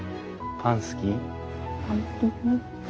パン好きね。